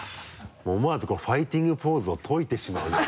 思わずファイティングポーズを解いてしまうような。